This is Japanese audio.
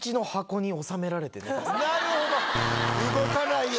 なるほど動かないよう。